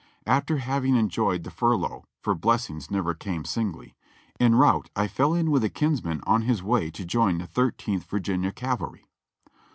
After having enjoyed the fur lough (for blessings never come singly), en route I fell in with a kinsman on his way to join the Thirteenth Virginia Cavalry.